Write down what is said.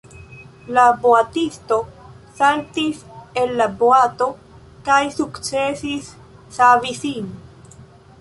La boatisto saltis el la boato kaj sukcesis savi sin.